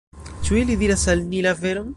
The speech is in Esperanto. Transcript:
Ĉu ili diras al ni la veron?